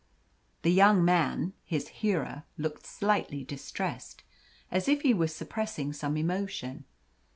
The young man, his hearer, looked slightly distressed, as if he was suppressing some emotion.